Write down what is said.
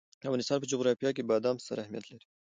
د افغانستان په جغرافیه کې بادام ستر اهمیت لري.